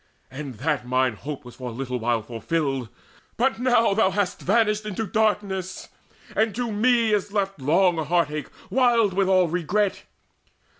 And that mine hope Was for a little while fulfilled; but now Thou hast vanished into darkness, and to me Is left long heart ache wild with all regret.